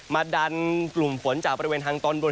ดันกลุ่มฝนจากบริเวณทางตอนบน